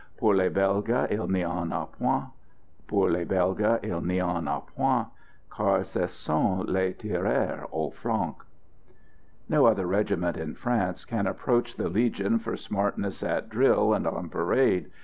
Pour les Belges il n'y en a point, Pour les Belges il n'y en a point, Car ce sont des tireurs au flanc." No other regiment in France can approach the Legion for smartness at drill and on parade.